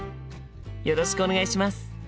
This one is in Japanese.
よろしくお願いします。